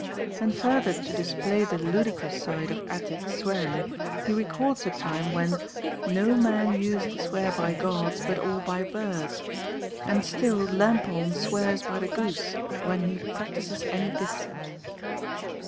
And further to display the ludicrous side of Attic swearing, he records a time when "no man used to swear by gods, but all by birds. And still Lampon swears by the goose when he practises any deceit."